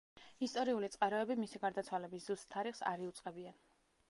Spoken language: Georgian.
ისტორიული წყაროები მისი გარდაცვალების ზუსტ თარიღს არ იუწყებიან.